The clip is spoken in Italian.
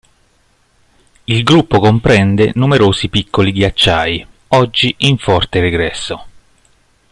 Il gruppo comprende numerosi piccoli ghiacciai, oggi in forte regresso.